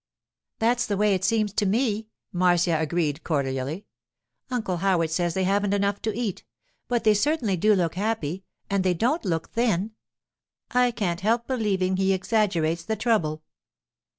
'That's the way it seems to me,' Marcia agreed cordially. 'Uncle Howard says they haven't enough to eat; but they certainly do look happy, and they don't look thin. I can't help believing he exaggerates the trouble.